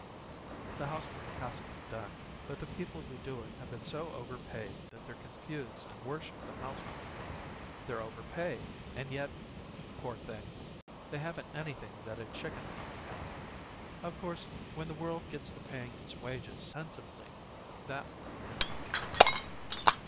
The housework has to be done, but the people who do it have been so overpaid that they're confused and worship the housework. They're overpaid, and yet, poor things! they haven't anything that a chicken can't have. Of course, when the world gets to paying its wages sensibly that will be different."